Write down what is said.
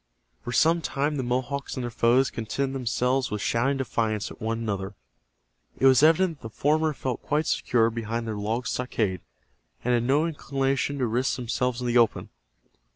For some time the Mohawks and their foes contented themselves with shouting defiance at one another. It was evident that the former felt quite secure behind their log stockade, and had no inclination to risk themselves in the open.